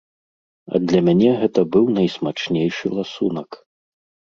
А для мяне гэта быў найсмачнейшы ласунак.